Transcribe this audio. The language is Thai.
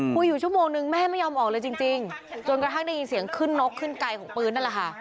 อยู่ชั่วโมงนึงแม่ไม่ยอมออกเลยจริงจนกระทั่งได้ยินเสียงขึ้นนกขึ้นไกลของปืนนั่นแหละค่ะ